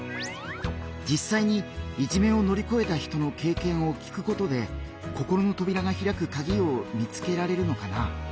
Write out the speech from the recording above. じっさいにいじめを乗り越えた人の経験を聞くことで心のとびらがひらくカギを見つけられるのかな？